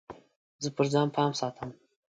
زه پر ځان پام ساتم.